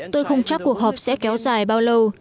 tôi không chắc cuộc họp sẽ kéo dài bao lâu